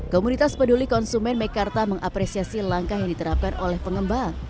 komunitas peduli konsumen mekarta mengapresiasi langkah yang diterapkan oleh pengembang